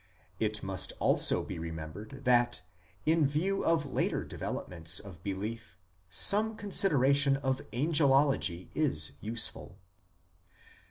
It must also be remembered that in view of later developments of belief some consideration of Angelology is useful.